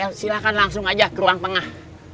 ya silahkan langsung aja ke ruang tengah